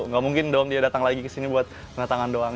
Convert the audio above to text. gak mungkin dong dia datang lagi kesini buat ternyata tangan doang